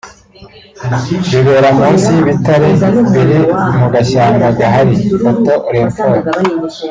Bibera munsi y’ibitare biri mu gashyamba gahari/photo Orinfor